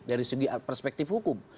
dari segi perspektif hukum